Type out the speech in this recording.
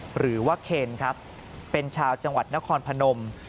หรือว่าเคนครับเป็นชาวจังหวัดนครพนม